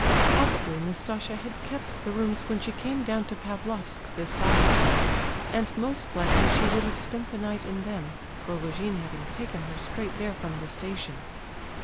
Probably Nastasia had kept the rooms when she came down to Pavlofsk this last time; and most likely she would have spent the night in them, Rogojin having taken her straight there from the station.